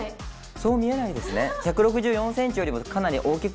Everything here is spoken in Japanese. そう見えないですね。